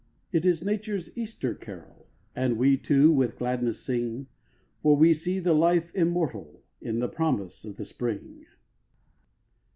It is Nature's Easter carol, And we, too, with gladness sing, For we see the Life immortal In the promise of the spring.